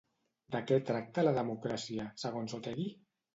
De què tracta la democràcia, segons Otegi?